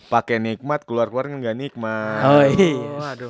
pake nikmat keluar keluar gak nikmat